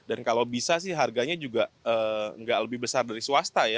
dan kalau bisa sih harganya juga nggak lebih besar dari swasta ya